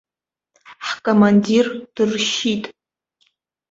Ҳкомандир дыршьит!